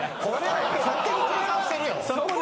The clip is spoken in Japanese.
勝手に計算してるやん。